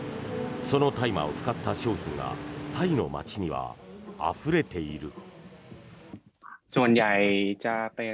その大麻を使った商品がタイの街にはあふれている。